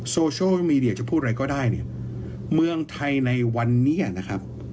โซเชียลมีเดียจะพูดอะไรก็ได้เนี่ยเมืองไทยในวันนี้นะครับ